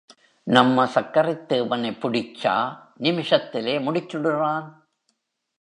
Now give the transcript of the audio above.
நம்ம சக்கரைத் தேவனைப் புடிச்சா, நிமிஷத்திலே முடிச்சுடுறான்.